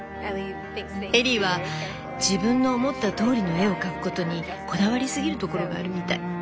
エリーは自分の思ったとおりの絵を描くことにこだわり過ぎるところがあるみたい。